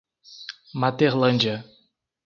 Materlândia